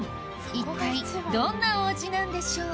一体どんなお味なんでしょう？